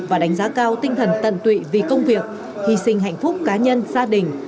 và đánh giá cao tinh thần tận tụy vì công việc hy sinh hạnh phúc cá nhân gia đình